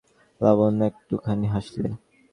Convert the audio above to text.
লাবণ্য একটুখানি হাসলে।